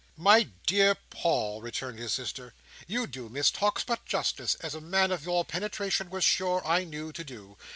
"My dear Paul," returned his sister, "you do Miss Tox but justice, as a man of your penetration was sure, I knew, to do.